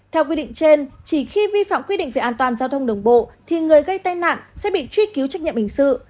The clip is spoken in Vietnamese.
theo quy định trên chỉ khi vi phạm quy định về an toàn giao thông đường bộ thì người gây tai nạn sẽ bị truy cứu trách nhiệm hình sự